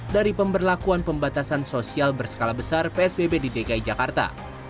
dari pemberlakuan pembatasan sosial berskala besar psbb di dki jakarta